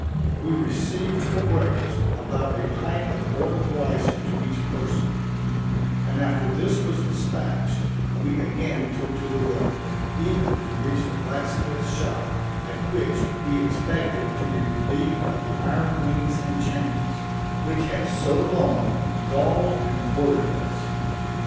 We received for breakfast, about a pint of boiled rice to each person, and after this was despatched, we again took to the road, eager to reach the blacksmith's shop, at which we expected to be relieved of the iron rings and chains, which had so long galled and worried us.